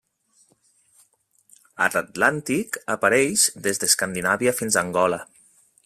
A l'Atlàntic apareix des d'Escandinàvia fins a Angola.